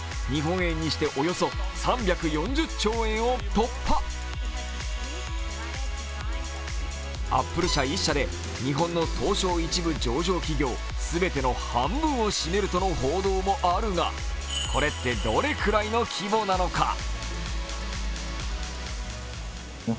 日本円にしておよそ３４０兆円を突破アップル社１社で、日本の東証１部全ての半分を占めるとの報道もあるがこれってどれぐらいの規模なのか？